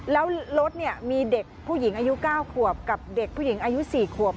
แล้วรถมีเด็กผู้หญิงอายุ๙ขวบกับเด็กผู้หญิงอายุ๔ขวบ